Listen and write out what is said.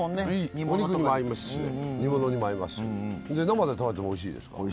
煮物にも合いますし生で食べてもおいしいですから。